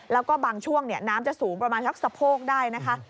แล้วก็บางช่วงน้ำจะสูงประมาณสักสะโพกได้นะคะ